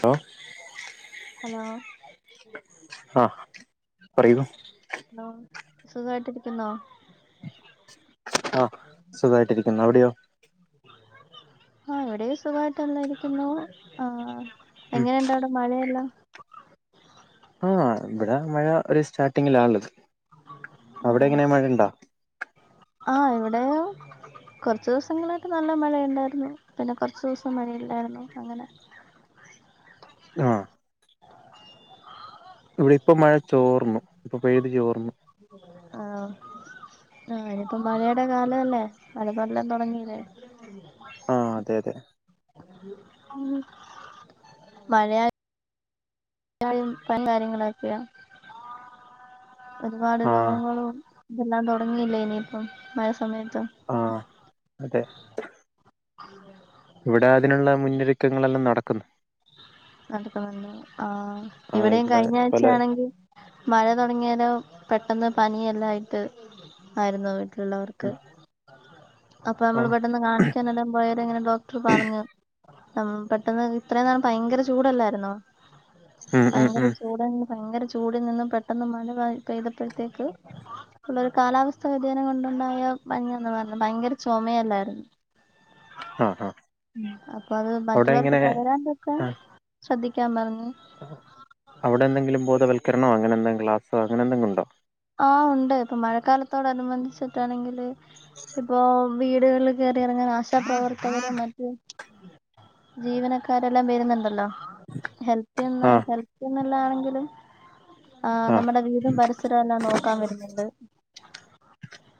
hello hello ആ പറയൂ hello സുഖായിട്ടിരിക്കുന്നോ ആ സുഖായിട്ടിരിക്കുന്നു അവിടെയോ ആ എവിടെയും സുഖമായിട്ടല്ല ഇരിക്കുന്നു ആ ഉം എങ്ങനെയ ഇണ്ട അവിടെ മഴയല്ല ആ ഇവിടെ മഴ ഒരു സ്റ്റാർട്ടിങ്ങിലാ ആള്ളത് അവിടെ എങ്ങനെ മഴ ഇണ്ടോ ആ ഇവിടെ കുറച്ച ദിവസങ്ങളായിട്ട് നല്ല മഴയ ഉണ്ടായിരുന്നു പിന്നെ കുറച്ചു ദിവസം മഴയില്ലായിരുന്നു അങ്ങനെ [inaudible] ആ ഇവിടെ ഇപ്പൊ മഴ ചോർന്നു ഇപ്പൊ പെയ്ത് ചോർന്നു ആ ആ ഇനിയിപ്പം മഴയുടെ കാല അല്ലേ മലപ്പല്ലൻ തുടങ്ങീല്ലേ ആ അതെ അതെ മഴയാ [unintelligible] കാര്യങ്ങളക്കിയ ഒരുപാട് ആ രോഗങ്ങളും ഇതെല്ലാം തുടങ്ങിയില്ല ഇനിയിപ്പം മഴ സമയത്ത് ആ അതെ ഇവിടെ അതിനുള്ള മുന്നൊരുക്കങ്ങളെല്ലാം നടക്കുന്നു [unintelligible] ആ ആ ഇവിടെയും ഇവിടെ കഴിഞ്ഞ ആഴ്ച പല ആണെങ്കിൽ മഴ തുടങ്ങിയാലോ പെട്ടെന്ന് പനിയെല്ലായിട്ട് ആയിരുന്നു വീട്ടിലുള്ളവർക്ക് ഉം അപ്പൊ ആ നമ്മള് പെട്ടെന്ന് കാണിക്കാാനെല്ലാം പോയാല ഇങ്ങനെ ഡോക്ടർ പറഞ്ഞു പെട്ടെന്ന് ഇത്രയും നാള ഭയങ്കര ചൂടല്ലായിരുന്നോ ഉം ഉം ഭയങ്കര ഉം ചൂട ഭയങ്കര ചൂടി നിന്നും പെട്ടെന്ന് മഴ പെയ്തപ്പോഴത്തേക്ക് പിള്ളരു കാലാവസ്ഥ വ്യതിയം കൊണ്ടുണ്ടായ പണിയാന്നാ പറഞ്ഞത് ഭയങ്കര ചുമയല്ലായിരുന്നു ആ ആ അപ്പൊ അത് അവിടെ മറ്റുള്ളവർക്ക് ഇങ്ങനെ പകരാണ്ടൊക്കെ ആ ശ്രദ്ധിക്കാൻ പറഞ്ഞു അവിടെ എന്തെങ്കിലും ബോധവൽക്കരണോ അങ്ങനെ എന്തെങ്കും ക്ലാസോ അങ്ങനെ എന്തെങ്കിലും ഉണ്ടോ ഉണ്ട് ഇപ്പ മഴക്കാലത്തോടനുബന്ധിച്ചിട്ടാണെങ്കില് ഇപ്പൊ വീടുകളിൽ കയറി ഇറങ്ങൻ ആശാപ്രവർത്തനും മറ്റും ജീവനക്കാരെല്ലാം വരുന്നുണ്ടല്ലോ ഹെൽപ ചെയ്യുന്ന ആ ഹെൽപ് ചെയ്യുന്നാണെങ്കിലും ആ നമ്മുടെ വീടും പരിസര നോക്കാ വരുന്നണ്ട്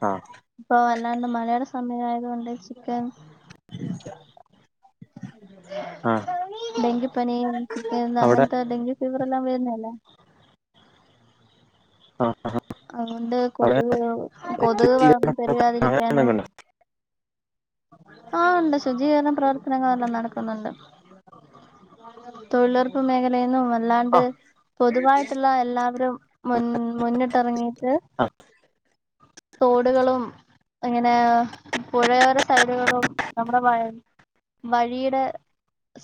ആ ഇപ്പൊ അല്ലാണ്ട് മഴയെ സമയ കൊണ്ട് ചിക്കൻ ആ ഡെങ്കി പനിയും ചിക്കൻ അവിടെ അങ്ങനത്തെ ഡെങ്കി ഫീവർ എല്ലാം വരുന്ന അല്ലേ ആ അതുകൊണ്ട് അവിടെ കൊതു കൊതു വ ശുചീകരണ പ്രവർത്തനം അങ്ങനെ പരുകാതിരിക്കാനും എന്തെങ്കിലും ഉണ്ടോ ആ ഉണ്ട് ശുചീകരണ പ്രവർത്തനങ്ങളെല്ലാം നടക്കുന്നുണ്ട് തൊഴിലുറപ്പ് മേഖലെന്നും അല്ലാണ്ട് ആ പൊതുവായിട്ടുള്ള എല്ലാവരും മുന്നിട്ട് ഇറങ്ങിയിട്ട് ആ തോടുകളും അങ്ങനെ പുഴയോര സൈഡുകളും നമ്മുടെ വ വഴിയുടെ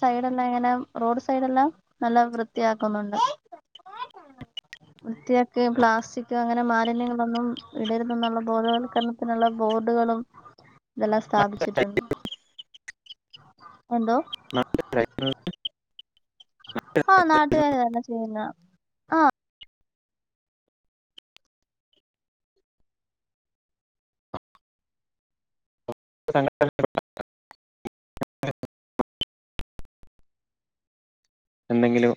സൈഡെല്ലാം ഇങ്ങനെ റോഡ് സൈഡ എല്ലാം നല്ല വൃത്തിയാക്കുന്നുണ്ട് കുപ്പിയൊക്കെ പ്ലാസ്റ്റിക് അങ്ങനെ മാലിന്യങ്ങളൊന്നും ഇട ന്നുള്ള ബോധവൽക്കരണത്തിനുള്ള ബോർഡുകളും ഇതെല്ലാം സ്ഥാപിച്ചിട്ടുണ്ട് എന്തോ [unintelligible] ആ നാട്ട്കാര് തന്നെ ചെയ്യുന്ന [unintelligible] എന്തെങ്കിലും